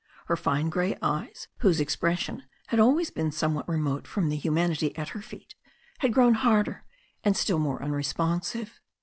Her fine grey eyes, whose expression had always been some what remote from the humanity at her feet, had grown harder, and still more unresponsive.